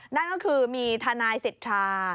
นั่นก็คือมีทนายสิทธา